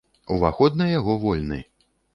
Уваход на яго вольны.